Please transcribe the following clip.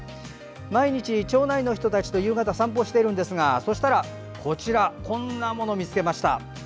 毎日、町内の人たちと夕方散歩をしているんですがこんなもの見つけました。